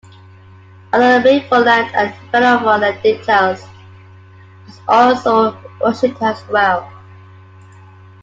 Other malevolent and benevolent deities are also worshipped as well.